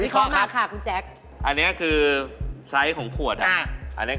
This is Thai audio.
ข้อเมื่อกี้มึงใช้หรอก